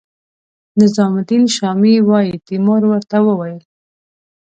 نظام الدین شامي وايي تیمور ورته وویل.